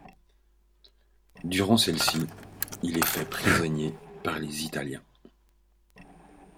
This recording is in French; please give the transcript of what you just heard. Durant celle-ci, il est fait prisonnier par les Italiens.